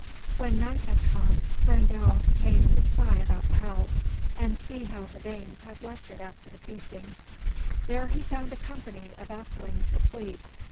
When night had come, Grendel came to spy about the house 413 MY BOOK HOUSE and see how the Danes had left it after the feasting. There he found a company of athelings asleep.